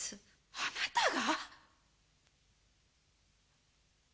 あなたが！？